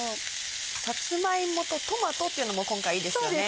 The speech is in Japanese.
さつま芋とトマトっていうのも今回いいですよね。